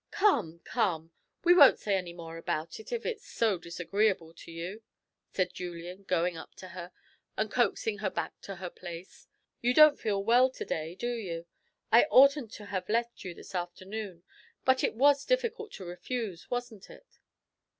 "Come, come, we won't say any more about it, if it's so disagreeable to you," said Julian, going up to her, and coaxing her back to her place. "You don't feel well to day, do you? I oughtn't to have left you this afternoon, but it was difficult to refuse, wasn't it?"